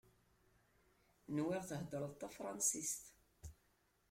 Nwiɣ theddreḍ tafransist.